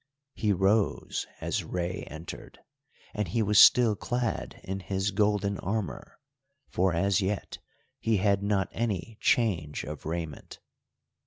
He rose as Rei entered, and he was still clad in his golden armour, for as yet he had not any change of raiment.